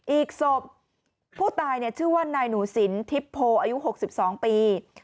อีกศพผู้ตายชื่อว่านายหนูสินทิพโพอายุ๖๒ปี